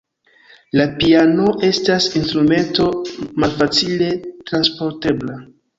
La piano estas instrumento malfacile transportebla.